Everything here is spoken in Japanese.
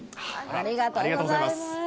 ありがとうございます。